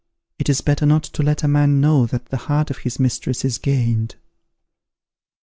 It is better not to let a man know that the heart of his mistress is gained."